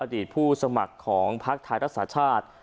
อดีตผู้สมัครของภักดิ์ไทยรัฐศาสตร์ชาติ